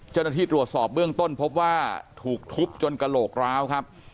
เจ้าหน้าที่ตรวจสอบเบื้องต้นพบว่าถูกทุบจนกระโหลกร้าวครับ